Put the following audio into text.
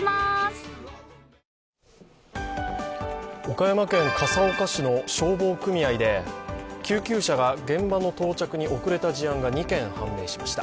岡山県笠岡市の消防組合で救急車が現場の到着に遅れた事案が２件判明しました。